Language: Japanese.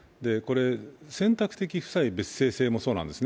選択的夫妻別姓制もそうなんですね。